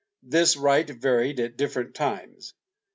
This right varied at different times.